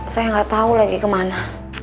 saya gak tau lagi kemana